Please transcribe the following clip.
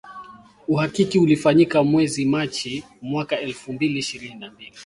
Uhakiki ulifanyika mwezi Machi mwaka elfu mbili ishirini na mbili